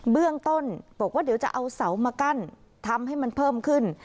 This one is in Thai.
เบื้องต้นบอกว่าเดี๋ยวจะเอาเสามากั้นทำให้มันเพิ่มขึ้น